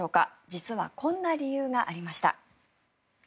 実はこんな理由がありました。